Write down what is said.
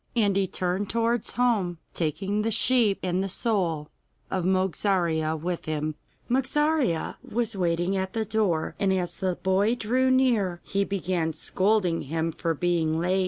And he turned towards home, taking his sheep and the soul of Mogarzea with him. Mogarzea was waiting at the door, and as the boy drew near he began scolding him for being so late.